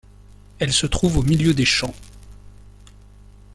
Elle se trouve au milieu des champs.